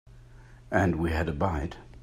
And we had a bite.